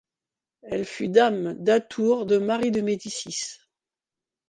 Elle fut dame d’atour de Marie de Médicis.